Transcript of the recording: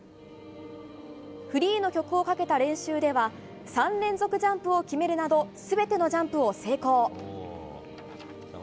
フリーの曲をかけた練習では３連続ジャンプを決めるなど全てのジャンプを成功。